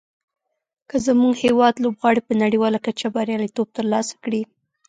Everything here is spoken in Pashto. که زموږ هېواد لوبغاړي په نړیواله کچه بریالیتوب تر لاسه کړي.